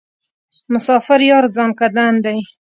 مسافر یار ځانکدن دی.